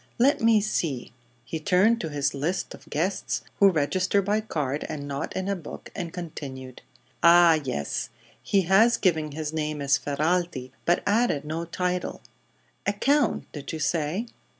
Let me see," he turned to his list of guests, who register by card and not in a book, and continued: "Ah, yes; he has given his name as Ferralti, but added no title. A count, did you say?"